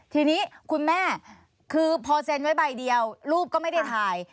ทีนี้คุณแม่คือพอเซ็นไว้ใบเดียวรูปก็ไม่ได้ถ่าย